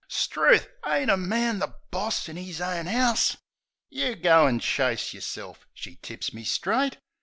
'Struth! Ain't a man the boss in 'is own 'ouse? "You go an' chase yerself !" she tips me straight.